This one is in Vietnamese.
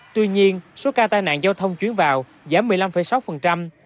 tuy nhiên số ca tai nạn giao thông chuyến vào giảm một mươi năm sáu